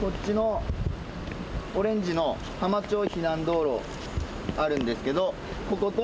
こっちのオレンジの浜町避難道路あるんですけどここと